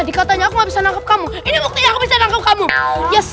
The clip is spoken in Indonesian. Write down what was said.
pkw eeris pahala aku menambah sekurang kurangnya